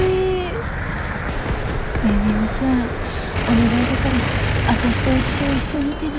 ねぇミホさんお願いだから私と一生一緒にいてね。